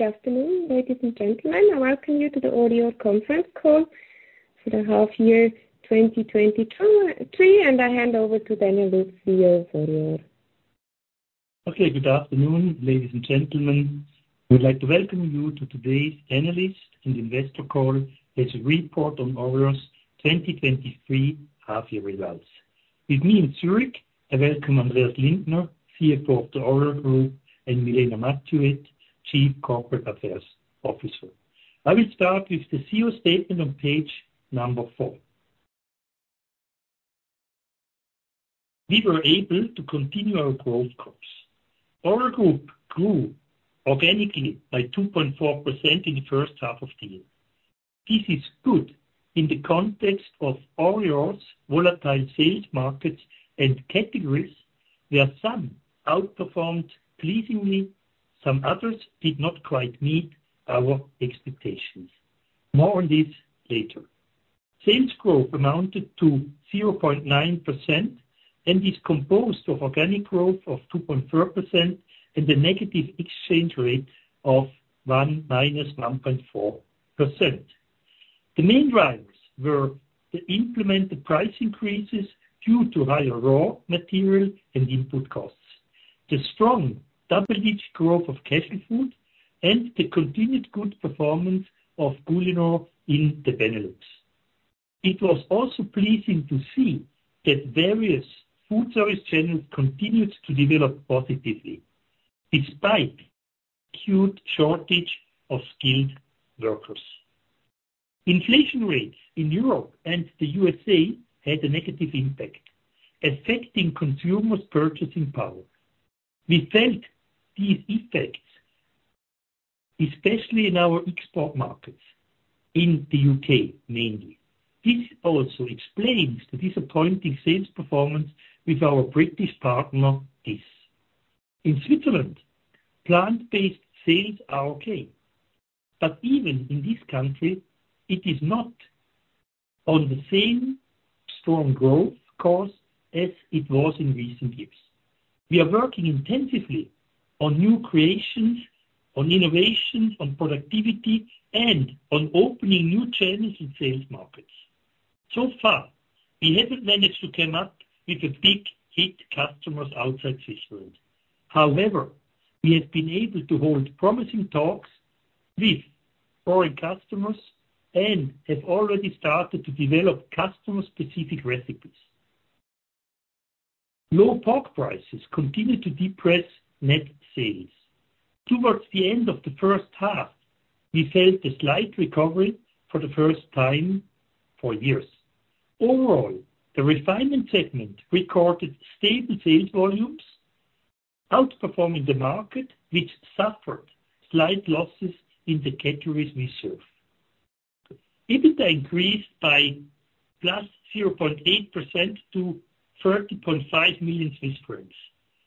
Good afternoon, ladies and gentlemen. I welcome you to the audio conference call for the half year 2023. I hand over to Daniel Lutz for more. Okay, good afternoon, ladies and gentlemen. We'd like to welcome you to today's analyst and investor call, as a report on ORIOR's 2023 half-year results. With me in Zurich, I welcome Andreas Lindner, CFO of the ORIOR Group, and Milena Mathiuet, Chief Corporate Affairs Officer. I will start with the CEO statement on page four. We were able to continue our growth course. ORIOR Group grew organically by 2.4% in the first half of the year. This is good in the context of ORIOR's volatile sales markets and categories, where some outperformed pleasingly, some others did not quite meet our expectations. More on this later. Sales growth amounted to 0.9% and is composed of organic growth of 2.4% and a negative exchange rate of -1.4%. The main drivers were to implement the price increases due to higher raw material and input costs, the strong double-digit growth of casual food, and the continued good performance of Culinor in the Benelux. It was also pleasing to see that various food service channels continued to develop positively, despite acute shortage of skilled workers. Inflation rates in Europe and the USA had a negative impact, affecting consumers' purchasing power. We felt these effects, especially in our export markets in the U.K., mainly. This also explains the disappointing sales performance with our British partner, Kiss. In Switzerland, plant-based sales are okay. Even in this country, it is not on the same strong growth course as it was in recent years. We are working intensively on new creations, on innovation, on productivity, and on opening new channels and sales markets. So far, we haven't managed to come up with a big hit customers outside Switzerland. However, we have been able to hold promising talks with foreign customers and have already started to develop customer-specific recipes. Low pork prices continued to depress net sales. Towards the end of the first half, we felt a slight recovery for the first time for years. Overall, the refinement segment recorded stable sales volumes, outperforming the market, which suffered slight losses in the categories we serve. EBITDA increased by +0.8% to 30.5 million Swiss francs,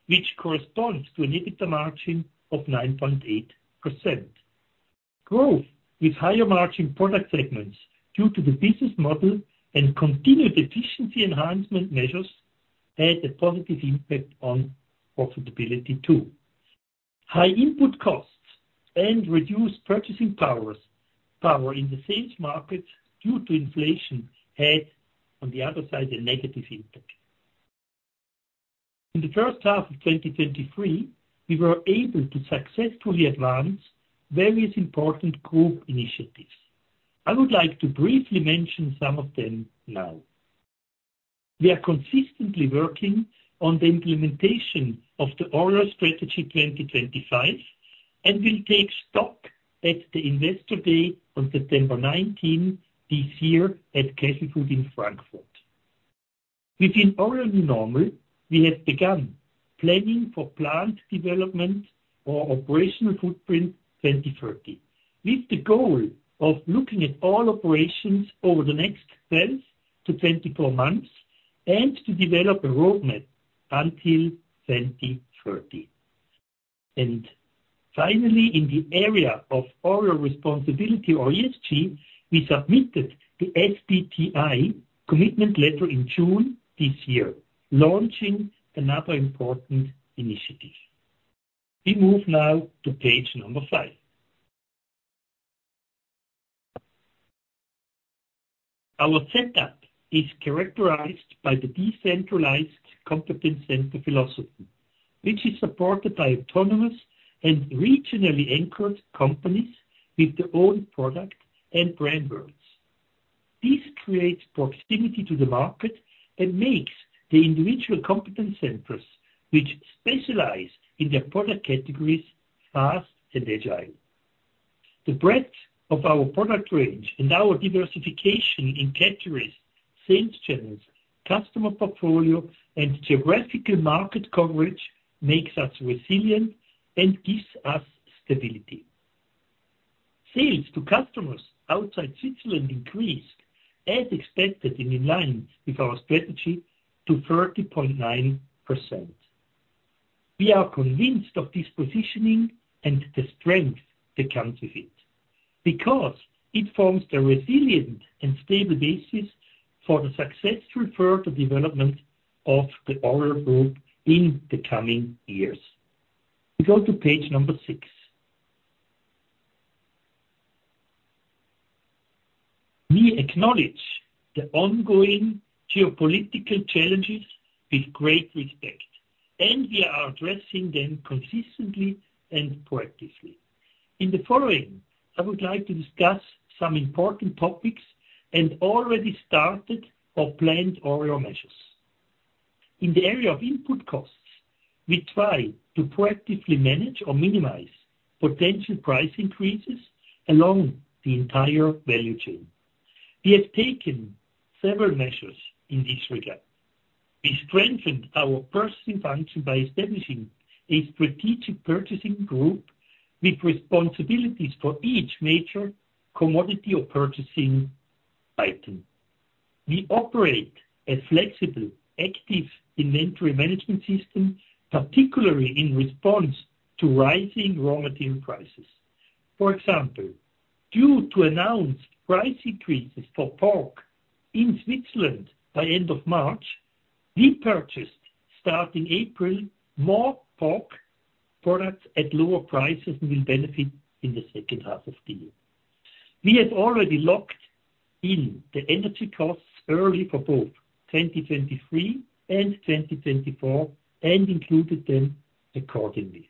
which corresponds to an EBITDA margin of 9.8%. Growth with higher margin product segments due to the business model and continued efficiency enhancement measures had a positive impact on profitability, too. High input costs and reduced purchasing powers in the sales market due to inflation had, on the other side, a negative impact. In the first half of 2023, we were able to successfully advance various important group initiatives. I would like to briefly mention some of them now. We are consistently working on the implementation of the ORIOR 2025 Strategy, and will take stock at the investor day on September 19th this year at Casualfood in Frankfurt. Within ORIOR New Normal, we have begun planning for plant development or operational footprint 2030, with the goal of looking at all operations over the next 12 to 24 months and to develop a roadmap until 2030. Finally, in the area of ORIOR responsibility or ESG, we submitted the SBTi commitment letter in June this year, launching another important initiative. We move now to page number five. Our setup is characterized by the decentralized competence center philosophy, which is supported by autonomous and regionally anchored companies with their own product and brand words. This creates proximity to the market and makes the individual competent centers, which specialize in their product categories fast and agile. The breadth of our product range and our diversification in categories, sales channels, customer portfolio, and geographical market coverage makes us resilient and gives us stability. Sales to customers outside Switzerland increased, as expected and in line with our strategy, to 30.9%. We are convinced of this positioning and the strength that comes with it. Because it forms the resilient and stable basis for the successful further development of the ORIOR Group in the coming years. We go to page number six. We acknowledge the ongoing geopolitical challenges with great respect, and we are addressing them consistently and proactively. In the following, I would like to discuss some important topics and already started or planned ORIOR measures. In the area of input costs, we try to proactively manage or minimize potential price increases along the entire value chain. We have taken several measures in this regard. We strengthened our purchasing function by establishing a strategic purchasing group with responsibilities for each major commodity or purchasing item. We operate a flexible, active inventory management system, particularly in response to rising raw material prices. For example, due to announced price increases for pork in Switzerland by end of March, we purchased, starting April, more pork products at lower prices, and will benefit in the second half of the year. We have already locked in the energy costs early for both 2023 and 2024, and included them accordingly.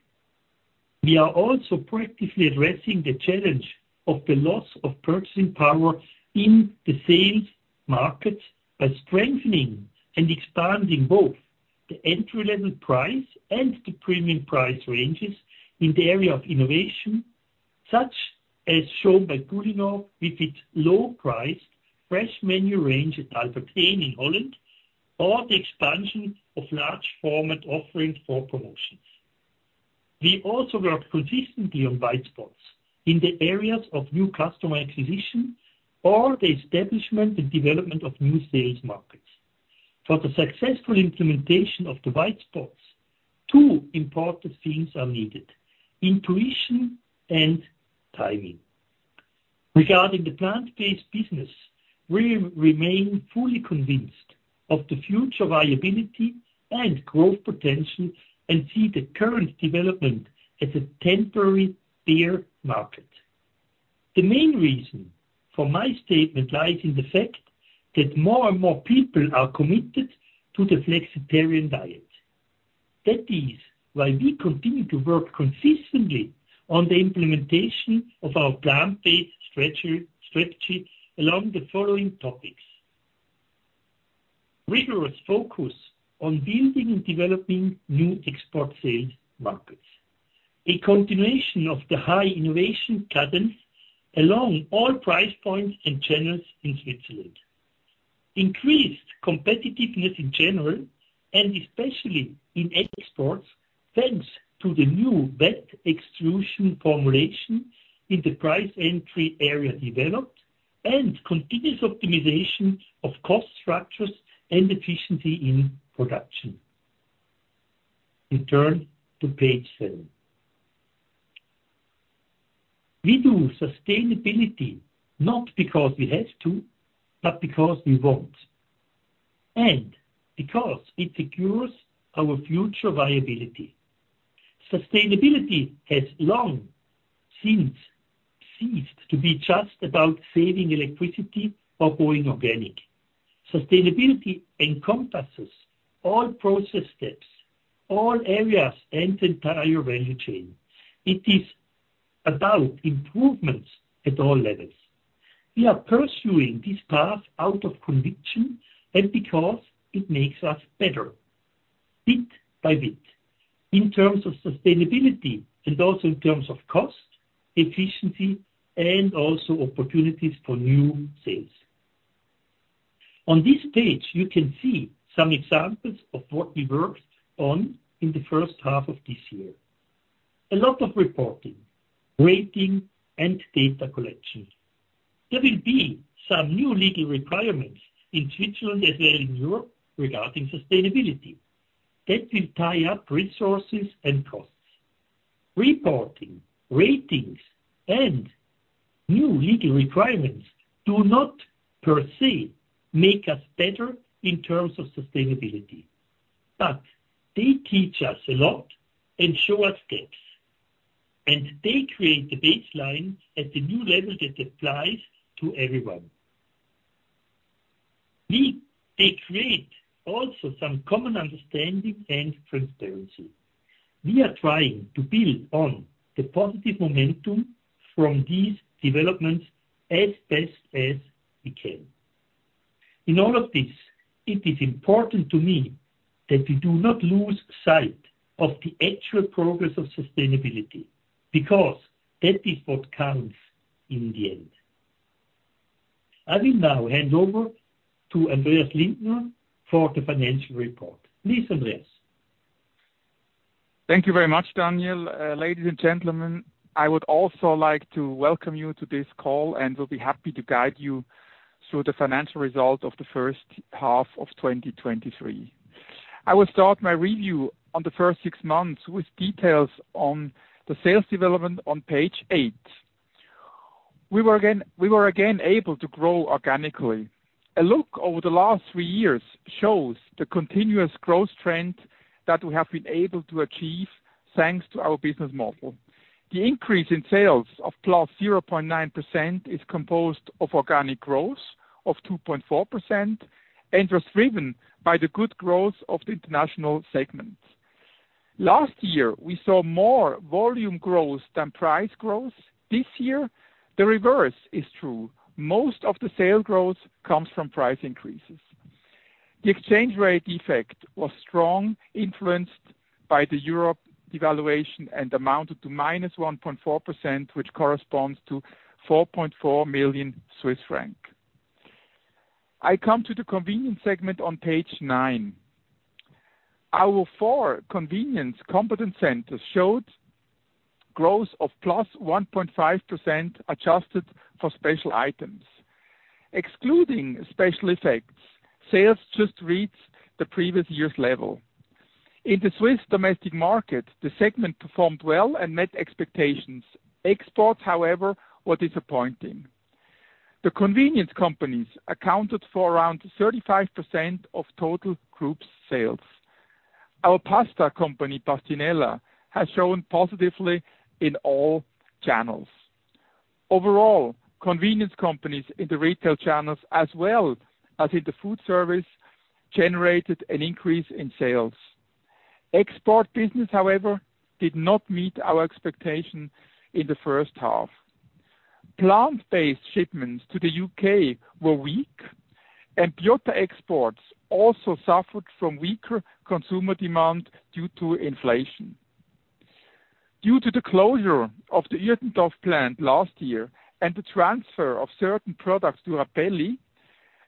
We are also proactively addressing the challenge of the loss of purchasing power in the sales market by strengthening and expanding both the entry-level price and the premium price ranges in the area of innovation, such as shown by Guldenhof with its low price, fresh menu range at Albert Heijn in Holland, or the expansion of large format offerings for promotions. We also work consistently on white spots in the areas of new customer acquisition or the establishment and development of new sales markets. For the successful implementation of the white spots, two important things are needed: intuition and timing. Regarding the plant-based business, we remain fully convinced of the future viability and growth potential, and see the current development as a temporary bear market. The main reason for my statement lies in the fact that more and more people are committed to the flexitarian diet. That is why we continue to work consistently on the implementation of our plant-based strategy along the following topics. Rigorous focus on building and developing new export sales markets. A continuation of the high innovation cadence along all price points and channels in Switzerland. Increased competitiveness in general, and especially in exports, thanks to the new wet extrusion formulation in the price entry area developed, and continuous optimization of cost structures and efficiency in production. We turn to page seven. We do sustainability not because we have to, but because we want, and because it secures our future viability. Sustainability has long since ceased to be just about saving electricity or going organic. Sustainability encompasses all process steps, all areas, and the entire value chain. It is about improvements at all levels. We are pursuing this path out of conviction and because it makes us better, bit by bit, in terms of sustainability and also in terms of cost, efficiency, and also opportunities for new sales. On this page, you can see some examples of what we worked on in the first half of this year. A lot of reporting, rating, and data collection. There will be some new legal requirements in Switzerland, as well in Europe, regarding sustainability. That will tie up resources and costs. Reporting, ratings, and new legal requirements do not per se, make us better in terms of sustainability, but they teach us a lot and show us gaps, and they create the baseline at the new level that applies to everyone. They create also some common understanding and transparency. We are trying to build on the positive momentum from these developments as best as we can. In all of this, it is important to me that we do not lose sight of the actual progress of sustainability, because that is what counts in the end. I will now hand over to Andreas Lindner for the financial report. Please, Andreas. Thank you very much, Daniel. Ladies and gentlemen, I would also like to welcome you to this call, and will be happy to guide you through the financial results of the first half of 2023. I will start my review on the first six months with details on the sales development on page eight. We were again able to grow organically. A look over the last three years shows the continuous growth trend that we have been able to achieve, thanks to our business model. The increase in sales of 0.9%+ is composed of organic growth of 2.4%, and was driven by the good growth of the international segment. Last year, we saw more volume growth than price growth. This year, the reverse is true. Most of the sales growth comes from price increases. The exchange rate effect was strong, influenced by the Europe devaluation, amounted to -1.4%, which corresponds to 4.4 million Swiss francs. I come to the convenience segment on page nine. Our four convenience competence centers showed growth of +1.5%, adjusted for special items. Excluding special effects, sales just reached the previous year's level. In the Swiss domestic market, the segment performed well and met expectations. Exports, however, were disappointing. The convenience companies accounted for around 35% of total group sales. Our pasta company, Pastinella, has shown positively in all channels. Overall, convenience companies in the retail channels as well as in the food service, generated an increase in sales. Export business, however, did not meet our expectation in the first half. Plant-based shipments to the U.K. were weak, and Biotta exports also suffered from weaker consumer demand due to inflation. Due to the closure of the Urdorf plant last year and the transfer of certain products to Rapelli,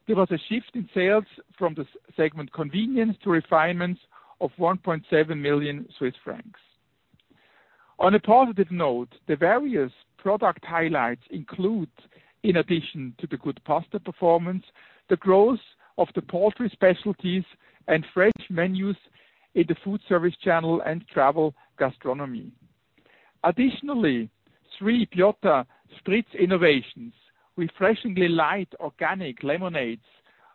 there was a shift in sales from the segment convenience to refinement of 1.7 million Swiss francs. On a positive note, the various product highlights include, in addition to the good pasta performance, the growth of the poultry specialties and fresh menus in the food service channel and travel gastronomy. Additionally, three Biotta SPRIZZ innovations, refreshingly light organic lemonades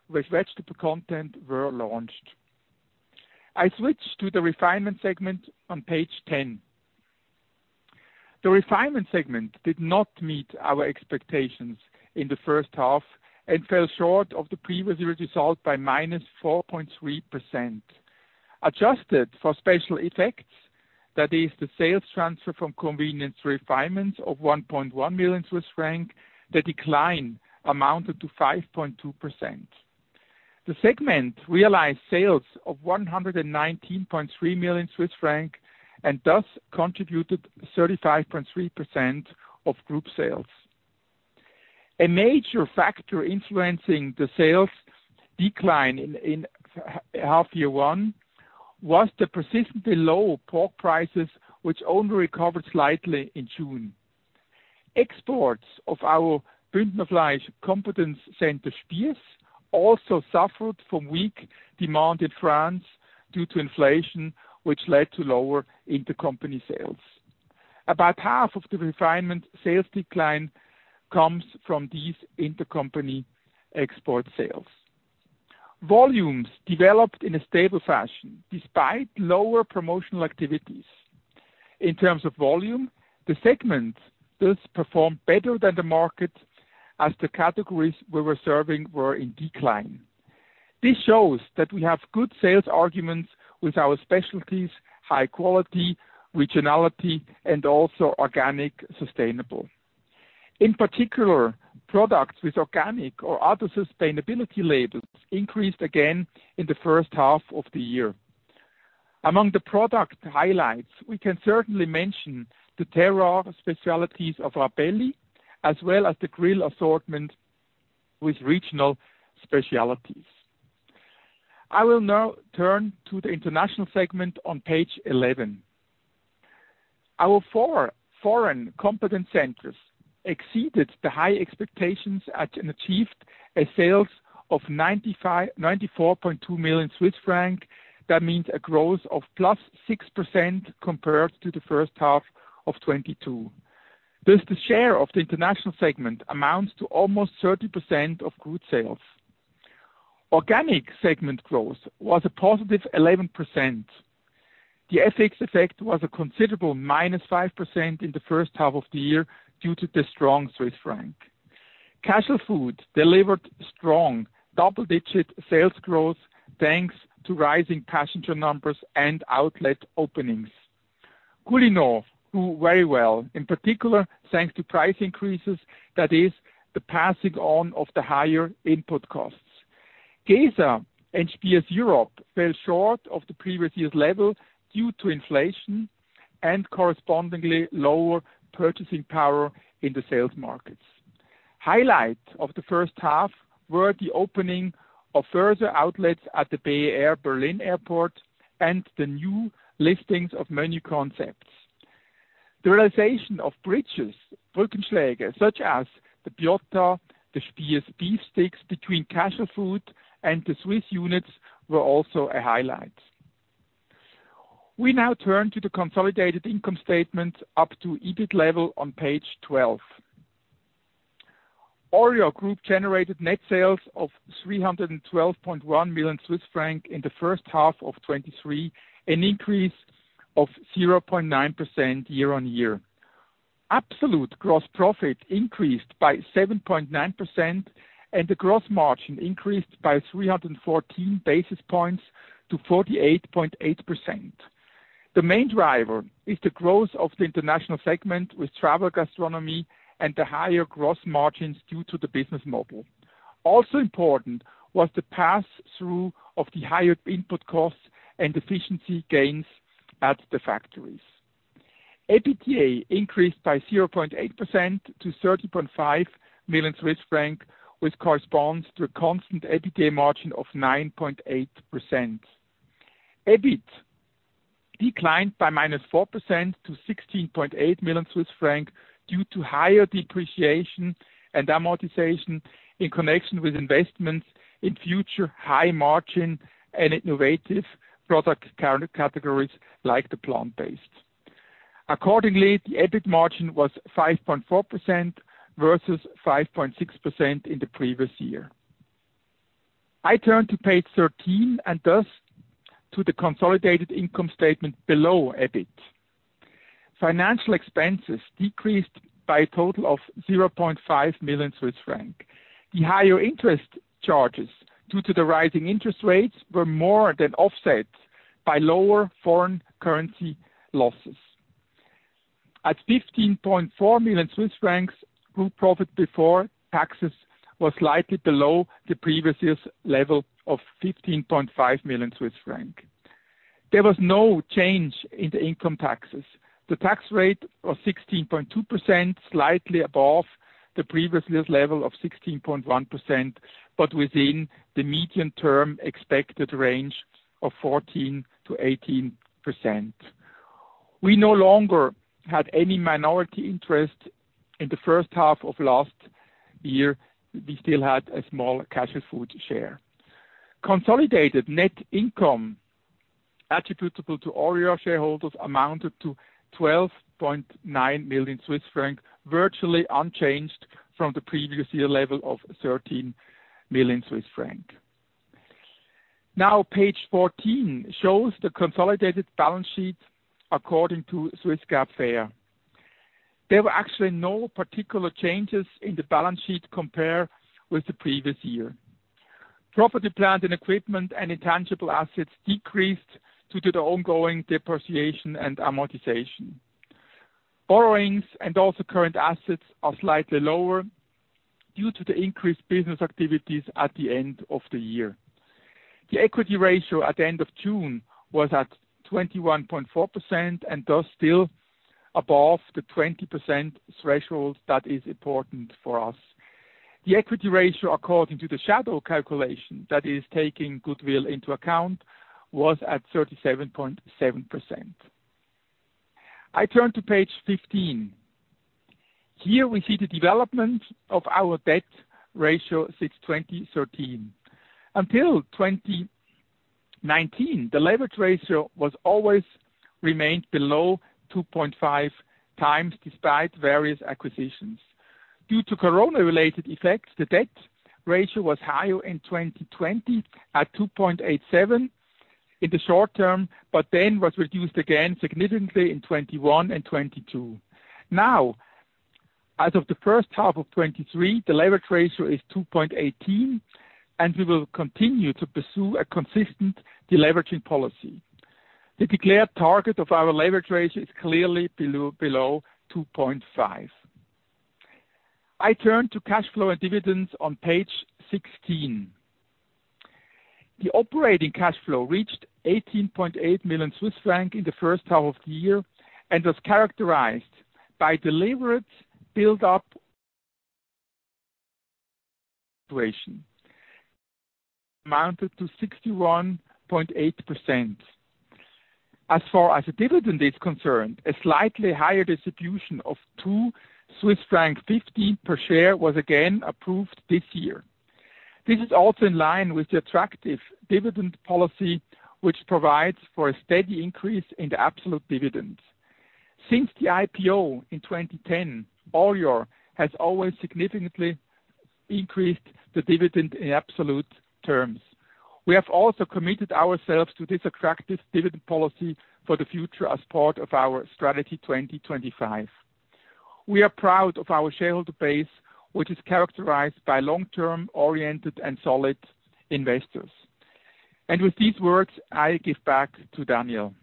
with vegetable content, were launched. I switch to the Refinement segment on page 10. The Refinement segment did not meet our expectations in the first half, and fell short of the previous year result by -4.3%. Adjusted for special effects, that is the sales transfer from convenience refinements of 1.1 million Swiss franc, the decline amounted to 5.2%. The segment realized sales of 119.3 million Swiss francs, and thus contributed 35.3% of group sales. A major factor influencing the sales decline in half year one, was the persistently low pork prices, which only recovered slightly in June. Exports of our Bündnerfleisch competence center, Spiess, also suffered from weak demand in France due to inflation, which led to lower intercompany sales. About half of the refinement sales decline comes from these intercompany export sales. Volumes developed in a stable fashion despite lower promotional activities. In terms of volume, the segment does perform better than the market, as the categories we were serving were in decline. This shows that we have good sales arguments with our specialties, high quality, regionality, and also organic, sustainable. In particular, products with organic or other sustainability labels increased again in the first half of the year. Among the product highlights, we can certainly mention the terroir specialties of Rapelli, as well as the grill assortment with regional specialties. I will now turn to the international segment on page 11. Our four foreign competent centers exceeded the high expectations at, and achieved a sales of 94.2 million Swiss francs. That means a growth of +6% compared to the first half of 2022. The share of the international segment amounts to almost 30% of group sales. Organic segment growth was a +11%. The FX effect was a considerable -5% in the first half of the year, due to the strong Swiss franc. Casualfood delivered strong double-digit sales growth, thanks to rising passenger numbers and outlet openings. Culinor grew very well, in particular, thanks to price increases, that is, the passing on of the higher input costs. Gesa and HBS Europe fell short of the previous year's level due to inflation and correspondingly lower purchasing power in the sales markets. Highlights of the first half were the opening of further outlets at the BER Berlin Airport and the new listings of menu concepts.... The realization of bridges, "...", such as the Biotta, the Spiess sticks between Casualfood and the Swiss units were also a highlight. We now turn to the consolidated income statement up to EBIT level on page 12. ORIOR Group generated net sales of 312.1 million Swiss francs in the first half of 2023, an increase of 0.9% year-on-year. Absolute gross profit increased by 7.9%, and the gross margin increased by 314 basis points to 48.8%. The main driver is the growth of the international segment, with travel gastronomy and the higher gross margins due to the business model. Also important was the pass through of the higher input costs and efficiency gains at the factories. EBITDA increased by 0.8% to 30.5 million Swiss francs, which corresponds to a constant EBITDA margin of 9.8%. EBIT declined by -4% to 16.8 million Swiss francs due to higher depreciation and amortization in connection with investments in future high margin and innovative product categories, like the plant-based. Accordingly, the EBIT margin was 5.4% versus 5.6% in the previous year. I turn to page 13, and thus, to the consolidated income statement below EBIT. Financial expenses decreased by a total of 0.5 million Swiss francs. The higher interest charges due to the rising interest rates were more than offset by lower foreign currency losses. At 15.4 million Swiss francs, group profit before taxes was slightly below the previous year's level of 15.5 million Swiss francs. There was no change in the income taxes. The tax rate of 16.2%, slightly above the previous year's level of 16.1%, but within the median term expected range of 14%-18%. We no longer had any minority interest in the first half of last year. We still had a small casual food share. Consolidated net income attributable to ORIOR shareholders amounted to 12.9 million Swiss francs, virtually unchanged from the previous year level of 13 million Swiss francs. Now, page 14 shows the consolidated balance sheet according to Swiss GAAP FER. There were actually no particular changes in the balance sheet compared with the previous year. Property, plant, and equipment, and intangible assets decreased due to the ongoing depreciation and amortization. Borrowings and also current assets are slightly lower due to the increased business activities at the end of the year. The equity ratio at the end of June was at 21.4%, thus still above the 20% threshold that is important for us. The equity ratio, according to the shadow calculation, that is taking goodwill into account, was at 37.7%. I turn to page 15. Here we see the development of our debt ratio since 2013. Until 2019, the leverage ratio was always remained below 2.5x, despite various acquisitions. Due to COVID-related effects, the debt ratio was higher in 2020, at 2.87 in the short term, then was reduced again significantly in 2021 and 2022. Now, as of the first half of 2023, the leverage ratio is 2.18, we will continue to pursue a consistent deleveraging policy. The declared target of our leverage ratio is clearly below, below 2.5. I turn to cash flow and dividends on page 16. The operating cash flow reached 18.8 million Swiss francs in the first half of the year and was characterized by deliberate build up situation, amounted to 61.8%. As far as the dividend is concerned, a slightly higher distribution of 2.15 Swiss franc per share was again approved this year. This is also in line with the attractive dividend policy, which provides for a steady increase in the absolute dividends. Since the IPO in 2010, ORIOR has always significantly increased the dividend in absolute terms. We have also committed ourselves to this attractive dividend policy for the future as part of our ORIOR 2025 Strategy. We are proud of our shareholder base, which is characterized by long-term, oriented, and solid investors. With these words, I give back to Daniel.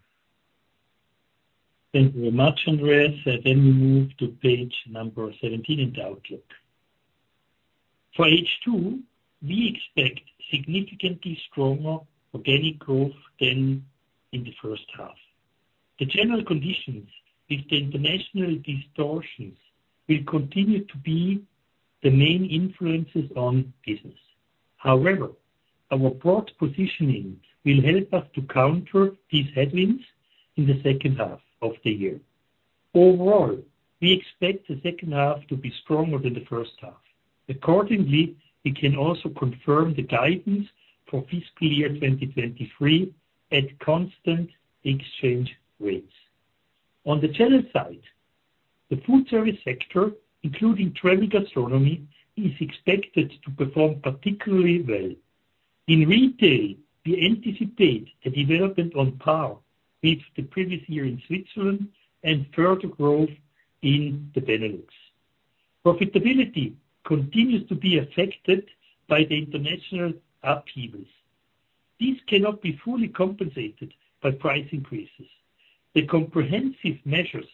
Thank you very much, Andreas. We move to page number 17 in the outlook. For H2, we expect significantly stronger organic growth than in the first half. The general conditions with the international distortions will continue to be the main influences on business. However, our broad positioning will help us to counter these headwinds in the second half of the year. Overall, we expect the second half to be stronger than the first half. Accordingly, we can also confirm the guidance for fiscal year 2023 at constant exchange rates. On the channel side, the food service sector, including travel gastronomy, is expected to perform particularly well. In retail, we anticipate a development on par with the previous year in Switzerland and further growth in the Benelux. Profitability continues to be affected by the international upheavals. These cannot be fully compensated by price increases. The comprehensive measures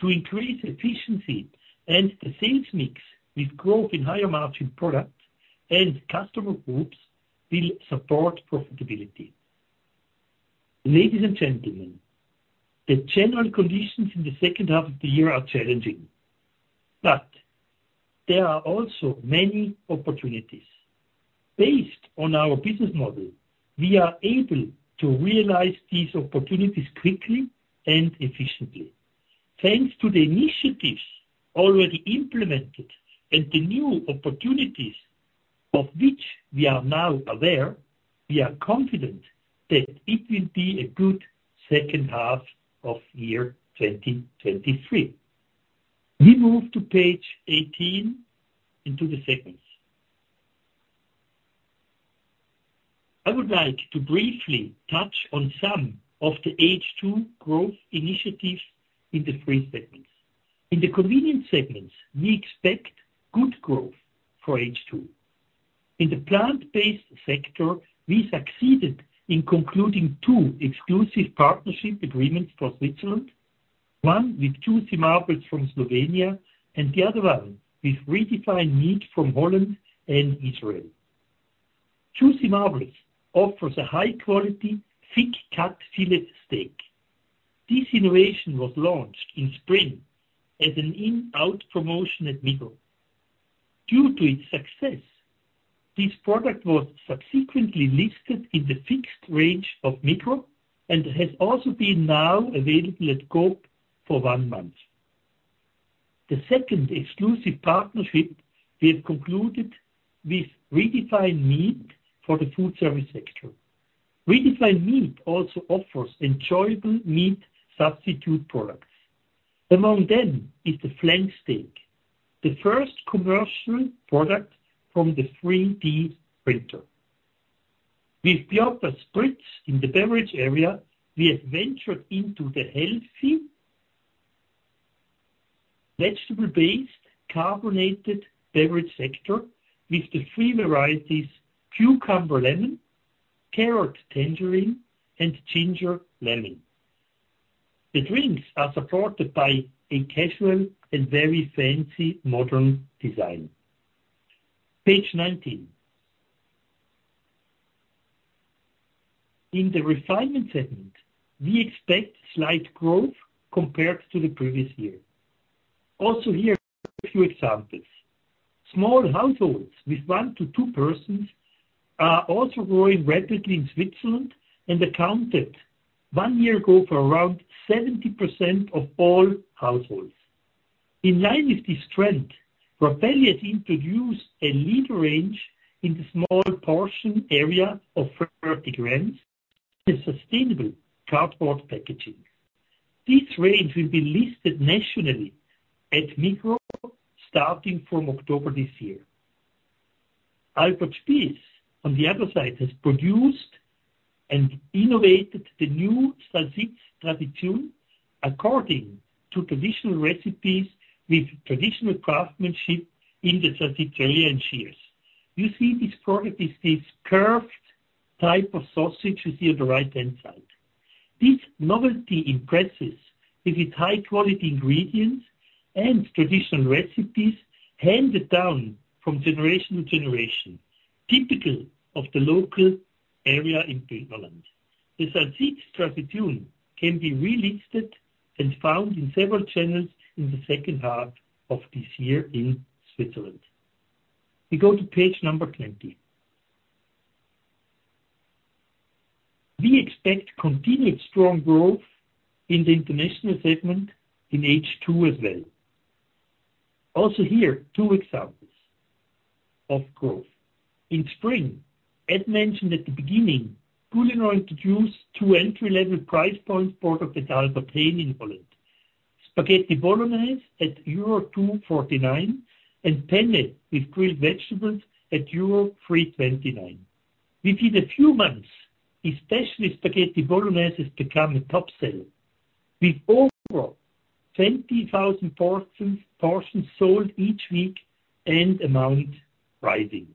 to increase efficiency and the sales mix with growth in higher margin products and customer groups will support profitability. Ladies and gentlemen, the general conditions in the second half of the year are challenging. There are also many opportunities. Based on our business model, we are able to realize these opportunities quickly and efficiently. Thanks to the initiatives already implemented and the new opportunities of which we are now aware, we are confident that it will be a good second half of year 2023. We move to page 18 into the segments. I would like to briefly touch on some of the H2 growth initiatives in the three segments. In the convenience segments, we expect good growth for H2. In the plant-based sector, we succeeded in concluding two exclusive partnership agreements for Switzerland, One with Juicy Marbles from Slovenia, and the other one with Redefine Meat from Holland and Israel. Juicy Marbles offers a high quality, thick-cut filet steak. This innovation was launched in spring as an in-out promotion at Migros. Due to its success, this product was subsequently listed in the fixed range of Migros and has also been now available at Coop for one month. The second exclusive partnership we have concluded with Redefine Meat for the food service sector. Redefine Meat also offers enjoyable meat substitute products. Among them is the flank steak, the first commercial product from the 3D printer. With Biotta SPRIZZ in the beverage area, we have ventured into the healthy, vegetable-based, carbonated beverage sector with the three varieties: cucumber lemon, carrot tangerine, and ginger lemon. The drinks are supported by a casual and very fancy modern design. Page 19. In the refinement segment, we expect slight growth compared to the previous year. Here, a few examples. Small households with one to two persons are also growing rapidly in Switzerland and accounted one year ago for around 70% of all households. In line with this trend, Rapelli has introduced a lead range in the small portion area of 30g in sustainable cardboard packaging. This range will be listed nationally at Migros, starting from October this year. Albert Spiess, on the other side, has produced and innovated the new Salsiz Stretg, according to traditional recipes with traditional craftsmanship in the Surselva region. You see this product is this curved type of sausage you see on the right-hand side. This novelty impresses with its high-quality ingredients and traditional recipes handed down from generation to generation, typical of the local area in Graubünden. The Salsiz Stretg can be re-listed and found in several channels in the second half of this year in Switzerland. We go to page number 20. We expect continued strong growth in the international segment in H2 as well. Also here, two examples of growth. In spring, as mentioned at the beginning, Culinor introduced two entry-level price point products at Albert Heijn in Holland, spaghetti bolognese at euro 2.49, and penne with grilled vegetables at euro 3.29. Within a few months, especially spaghetti bolognese has become a top seller, with over 20,000 portions sold each week and amount rising.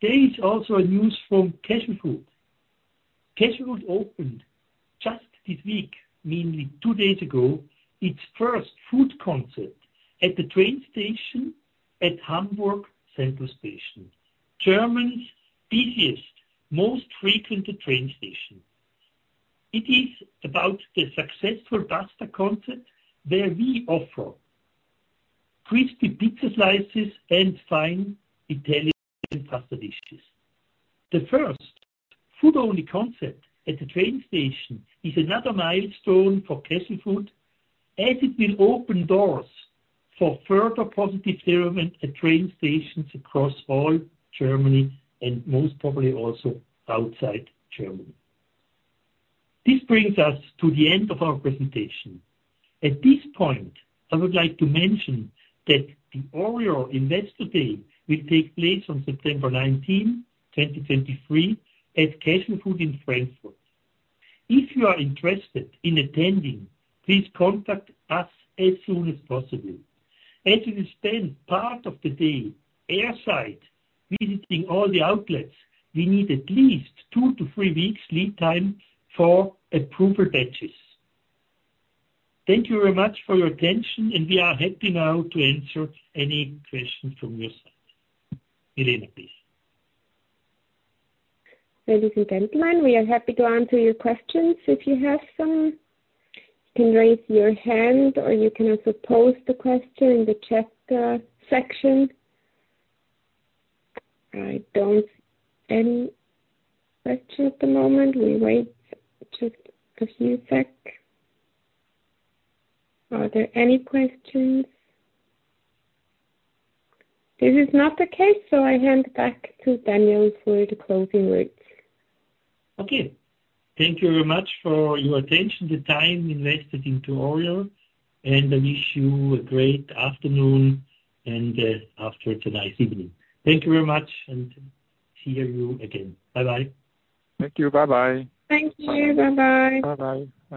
There is also a news from Casualfood. Casualfood opened just this week, namely two days ago, its first food concept at the train station at Hamburg Central Station, Germany's busiest, most frequented train station. It is about the successful pasta concept, where we offer crispy pizza slices and fine Italian pasta dishes. The first food-only concept at the train station is another milestone for Casualfood, as it will open doors for further positive development at train stations across all Germany and most probably also outside Germany. This brings us to the end of our presentation. At this point, I would like to mention that the ORIOR Investor Day will take place on September 19th, 2023, at Casualfood in Frankfurt. If you are interested in attending, please contact us as soon as possible. As you will spend part of the day airside, visiting all the outlets, we need at least two to three weeks lead time for approval batches. Thank you very much for your attention, we are happy now to answer any questions from your side. Elena, please. Ladies and gentlemen, we are happy to answer your questions. If you have some, you can raise your hand, or you can also post the question in the chat section. I don't any question at the moment. We wait just a few sec. Are there any questions? This is not the case. I hand back to Daniel for the closing words. Okay. Thank you very much for your attention, the time invested into ORIOR, and I wish you a great afternoon and after a nice evening. Thank you very much, and see you again. Bye-bye. Thank you. Bye-bye. Thank you. Bye-bye. Bye-bye. Bye.